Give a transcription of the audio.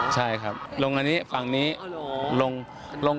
ใช่ครับลงอันนี้ฝั่งนี้ลงเต็มตัวแล้ว